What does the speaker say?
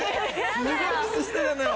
すごいキスしてたのよ